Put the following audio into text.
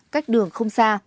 cách đường không xa